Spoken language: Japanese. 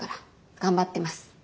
頑張ってます。